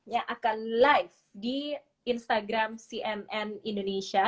yang akan live di instagram cnn indonesia